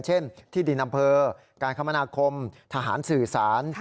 เช่นที่ดินอำเภอการคมนาคมทหารสื่อสาร